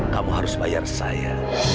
kamu harus bayar saya